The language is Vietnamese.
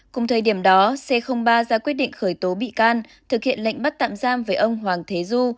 cùng thời điểm đó c ba ra quyết định khởi tố bị can thực hiện lệnh bắt tạm giam với ông hoàng thế du